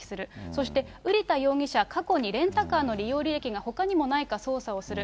そして、瓜田容疑者、過去にレンタカーの利用履歴がほかにもないか捜査をする。